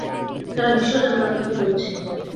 সারা বিশ্ব জানবে আমরা কী করেছি।